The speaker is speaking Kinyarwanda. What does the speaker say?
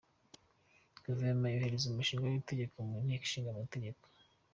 Guverinoma yohereza umushinga w’itegeko mu Nteko Ishinga Amategeko.